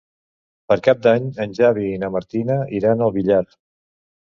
Per Cap d'Any en Xavi i na Martina iran al Villar.